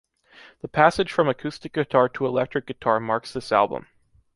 The passage from acoustic guitar to electric guitar marks this album.